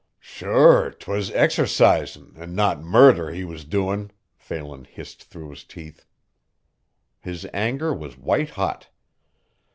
"Sure 'twas exercisin' an' not murther he was doin'," Phelan hissed through his teeth. His anger was white hot.